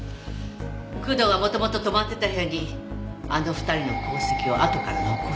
工藤が元々泊まってた部屋にあの２人の痕跡をあとから残した。